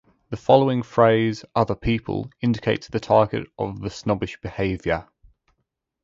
The following phrase "other people" indicates the target of the snobbish behavior.